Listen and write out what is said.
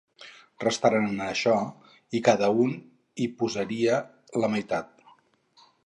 Restaren en això: que cada un hi posaria la meitat.